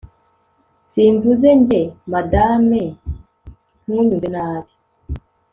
Simvuze njye Madame ntunyumve nabi